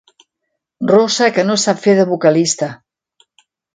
Rossa que no sap fer de vocalista.